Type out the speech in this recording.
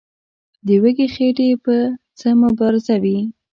د وږي خېټې به څه مبارزه وي.